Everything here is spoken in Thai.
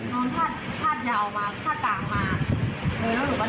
ทำไมไม่โดยรักนะครับ